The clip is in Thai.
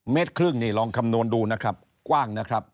ครึ่งนี่ลองคำนวณดูนะครับกว้างนะครับ